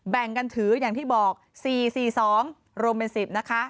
แบ่งกันถืออย่างที่บอก๔๔๒รวมเป็น๑๐นะคะ